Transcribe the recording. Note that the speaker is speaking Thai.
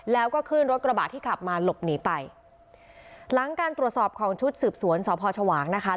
แล้วก็ขึ้นรถกระบะที่ขับมาหลบหนีไปหลังการตรวจสอบของชุดสืบสวนสพชวางนะคะ